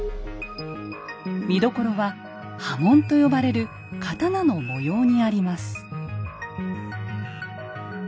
見どころは「刃文」と呼ばれる刀の模様にあります。